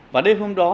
và đêm hôm đó